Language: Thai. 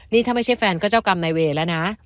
นี่ถ้าไม่ใช่แฟนก็เจ้ากรรมนายเวย์แล้วนะ